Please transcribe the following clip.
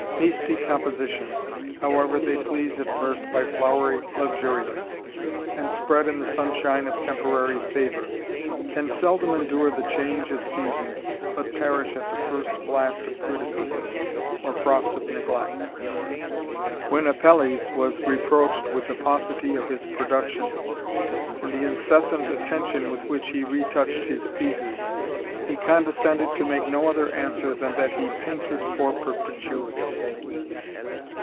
Hasty compositions, however they please at by flowery luxuriance, and spread in the sunshine of orary favour, can seldom endure the change of seasons, )erish at the first blast of criticism, or firost of neglect a Apelles was reproached with the paucity of his 174 THE RAMBLER. productions, and the incessant attention with which h^ retouched his pieces, he condescended to make no oth^ ^ answer than that hepainted for perpetuity.